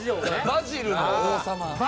バジルの王様ね。